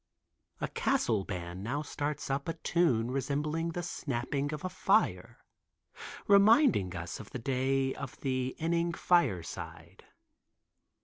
A castle band now starts up to a tune resembling the snapping of a fire, reminding us of the day of the Inning Fireside.